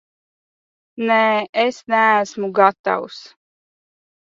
Nē, es neesmu gatavs.